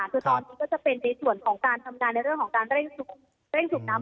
คือตอนนี้ก็จะเป็นในส่วนของการทำงานในเรื่องของการเร่งสูบน้ำ